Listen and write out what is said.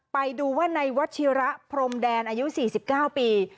ไปดูว่าในวัชิระพรมแดนอายุ๔๙ปี